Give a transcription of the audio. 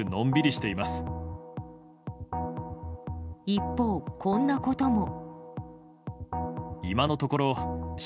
一方、こんなことも。